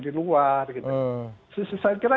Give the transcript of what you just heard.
di luar saya kira